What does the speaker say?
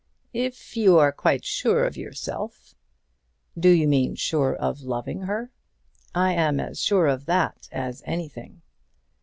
"If you are quite sure of yourself " "Do you mean sure of loving her? I am as sure of that as anything."